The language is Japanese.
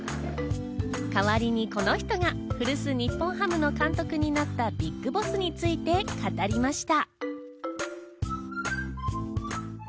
代わりに、この人が古巣・日本ハムの監督になったビッグボスについて語りました。